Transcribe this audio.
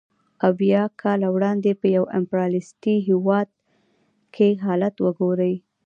اویای کاله وړاندې په یو امپریالیستي هېواد کې حالت وګورئ